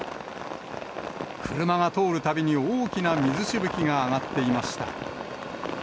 車が通るたびに大きな水しぶきが上がっていました。